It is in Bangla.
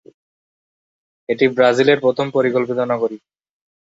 এটি ব্রাজিলের প্রথম পরিকল্পিত নগরী।